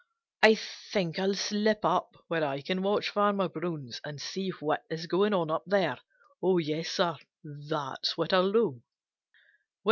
I think I'll slip up where I can watch Farmer Brown's and see what is going on up there. Yes, Sir, that's what I'll do."